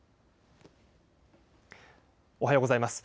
おはようございます。